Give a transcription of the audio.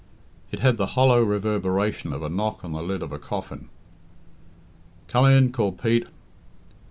It had the hollow reverberation of a knock on the lid of a coffin. "Come in," called Pete.